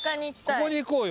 ここにいこうよ